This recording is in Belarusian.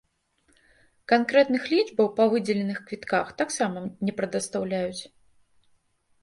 Канкрэтных лічбаў па выдзеленых квітках таксама не прадастаўляюць.